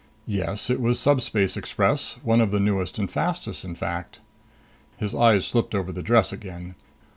Yes, it was subspace express one of the newest and fastest, in fact. His eyes slipped over the dress again.